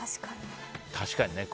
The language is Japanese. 確かにね。